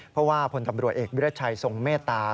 เพราะว่าพลตำรวจเอกวิรัชชัยทรงเมตตา